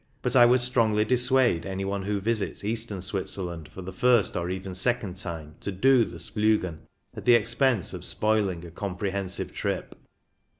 But I would strongly dissuade any one who visits Eastern Switzerland for the first or even second time to " do " the Spliigen at the expense of spoiling a comprehensive trip.